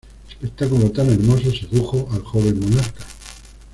Espectáculo tan hermoso sedujo al joven monarca.